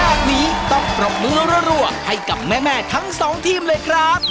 แบบนี้ต้องปรบมือรัวให้กับแม่ทั้งสองทีมเลยครับ